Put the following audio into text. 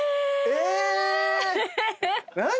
え！